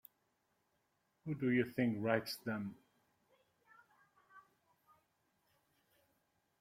Who do you think writes them?